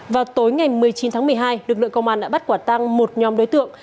vào tối ngày một mươi chín tháng một mươi hai lực lượng công an đã bắt quả tăng một nhóm đối tượng